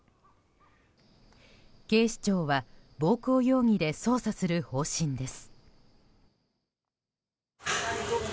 警視庁は暴行容疑で捜査する方針です。